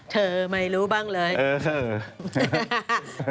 เธอไม่รู้บ้างเลยเออค่ะเออ